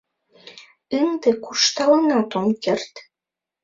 Ынде куржталынат ом керт.